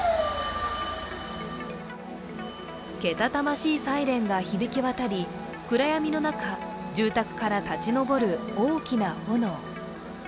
けたたましいサイレンが響き渡り、暗闇の中住宅から立ち上る大きな炎。